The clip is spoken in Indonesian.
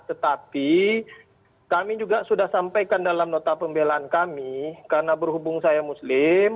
tetapi kami juga sudah sampaikan dalam nota pembelaan kami karena berhubung saya muslim